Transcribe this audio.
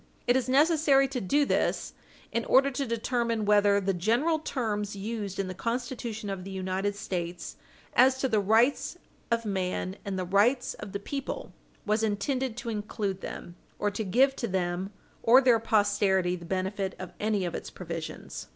It is necessary to do this in order to determine whether the general terms used in the Constitution of the United States as to the rights of man and the rights of the people was intended to include them, or to give to them or their posterity the benefit of any of its provisions.